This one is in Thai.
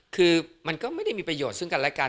คือมันก็ไม่ได้มีประโยชน์ซึ่งกันและกัน